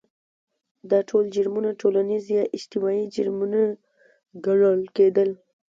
دا ټول جرمونه ټولنیز یا اجتماعي جرمونه ګڼل کېدل.